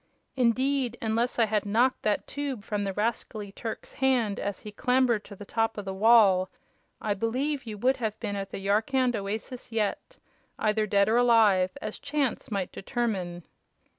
Indeed, unless I had knocked that tube from the rascally Turk's hand as he clambered to the top of the wall, I believe you would have been at the Yarkand oasis yet either dead or alive, as chance might determine."